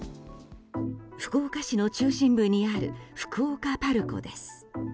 福岡市の中心部にある福岡パルコです。